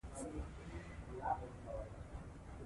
خو ورباندي غالب شي او په اور كي ورغورځي